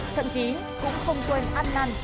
thậm chí cũng không quên ăn năn